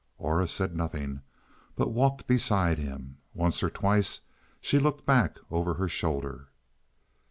Aura said nothing, but walked beside him. Once or twice she looked back over her shoulder.